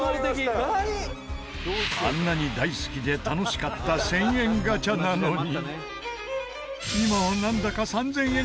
あんなに大好きで楽しかった１０００円ガチャなのに。